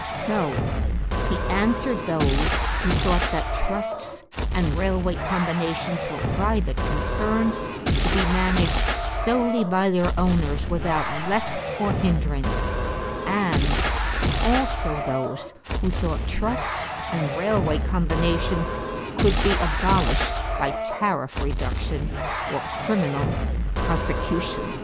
So he answered those who thought that trusts and railway combinations were private concerns to be managed solely by their owners without let or hindrance and also those who thought trusts and railway combinations could be abolished by tariff reduction or criminal prosecution.